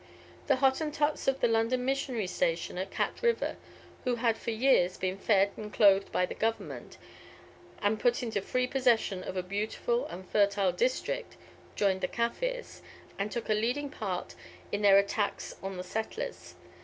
The Hottentots of the London missionary station at Cat River, who had for years been fed and clothed by the Government, and put into free possession of a beautiful and fertile district, joined the Kaffirs, and took a leading part in their attacks on the settlers.